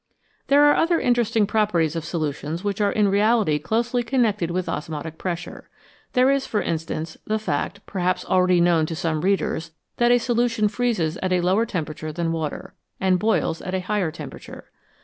There are other interesting properties of solutions which are in reality closely connected with osmotic pres sure. There is, for instance, the fact, perhaps already known to some readers, that a solution freezes at a lower temperature than water, and boils at a higher temperature.